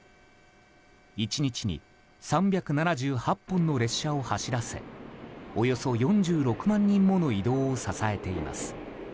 １日に３７８本の列車を走らせおよそ４６万人もの移動を支えています。